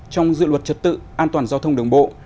trong dự luật trật tự an toàn giao thông đường bộ